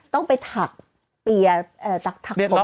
ต้องไปถักเปียร์เอ่อถัก